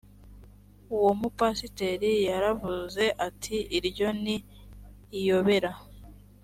uwo mupasiteri yaravuze ati iryo ni iyobera